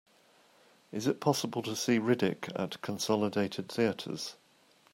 Is it possible to see Riddick at Consolidated Theatres